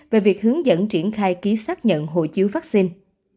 về việc hướng dẫn triển khai ký xác nhận hộ chiếu vaccine